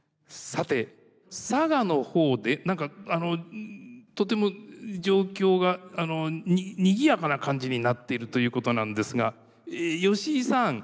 さて佐賀の方で何かとても状況がにぎやかな感じになっているということなんですが吉井さん。